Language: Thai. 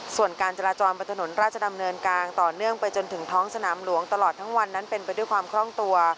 ส่วนการจราจรบนถนนราชดำเนินกลางต่อเนื่องไปจนถึงท้องสนามหลวงตลอดทั้งวันนั้นเป็นไปด้วยความคล่องตัว